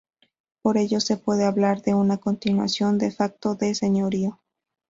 Por ello se puede hablar de una continuación "de facto" del señorío.